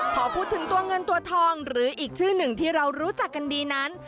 พอพูดถึงตัวเงินตัวทองหรืออีกชื่อหนึ่งที่เรารู้จักกันดีนั้น